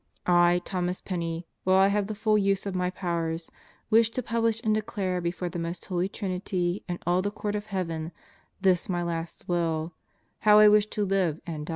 I, Thomas Penney, while I have the full use of my powers, wish to publish and declare before the Most Holy Trinity and all the Court of Heaven, this my last will: how I wish to live and die.